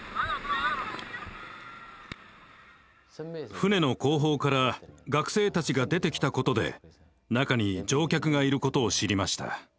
船の後方から学生たちが出てきたことで中に乗客がいることを知りました。